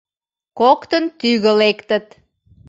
Коктын тӱгӧ лектыт.